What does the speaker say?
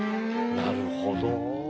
なるほど。